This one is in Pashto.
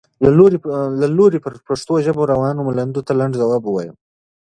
له لوري پر پښتو ژبه روانو ملنډو ته لنډ ځواب ووایم.